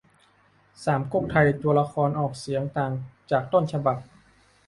สามก๊กไทย ตัวละครออกเสียงต่างจากต้นฉบับ